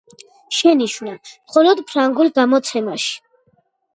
შენიშვნა: მხოლოდ ფრანგულ გამოცემაში.